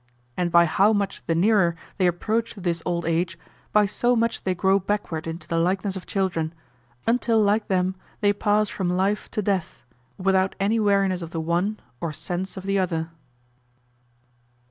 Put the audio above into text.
And by how much the nearer they approach to this old age, by so much they grow backward into the likeness of children, until like them they pass from life to death, without any weariness of the one, or sense of the other.